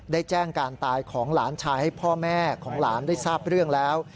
ได้แจ้งการตายของหลานชายให้พ่อแม่ของหลานได้ทราบเรื่องแล้ว